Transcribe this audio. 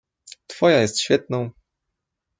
"Twoja jest świetną."